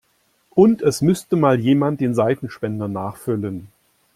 Und es müsste mal jemand den Seifenspender nachfüllen.